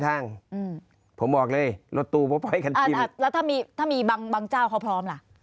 อ่าแล้วถ้ามีบางเจ้าเขาพร้อมล่ะ